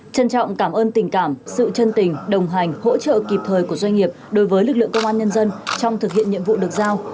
trân trọng cảm ơn tình cảm sự chân tình đồng hành hỗ trợ kịp thời của doanh nghiệp đối với lực lượng công an nhân dân trong thực hiện nhiệm vụ được giao